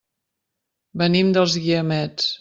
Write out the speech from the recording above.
Venim dels Guiamets.